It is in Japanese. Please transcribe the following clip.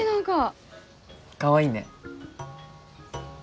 かわいいね。